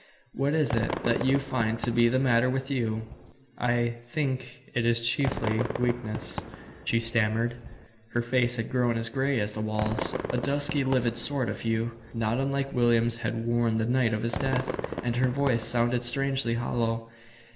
"What is it that you find to be the matter with you?" "I think it is chiefly weakness," she stammered. Her face had grown as gray as the walls. A dusky, livid sort of hue, not unlike William's had worn the night of his death, and her voice sounded strangely hollow.